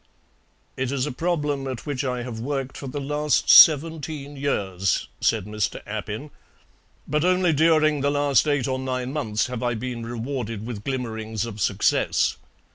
"It is a problem at which I have worked for the last seventeen years," said Mr. Appin, "but only during the last eight or nine months have I been rewarded with glimmerings of success.